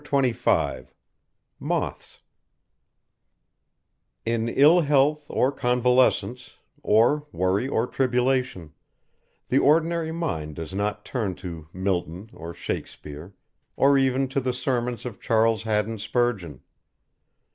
CHAPTER XXV MOTHS In ill health or convalescence, or worry or tribulation, the ordinary mind does not turn to Milton or Shakespeare, or even to the sermons of Charles Haddon Spurgeon.